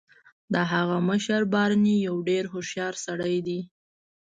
د هغه مشر بارني یو ډیر هوښیار سړی دی